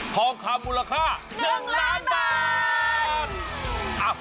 ทองคำมูลค่า๑ล้านบาท